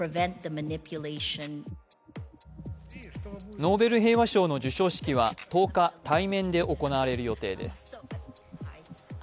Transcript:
ノーベル平和賞の授賞式は、１０日対面で行われる予定です。